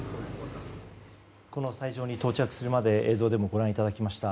この斎場に到着するまで映像でもご覧いただきました。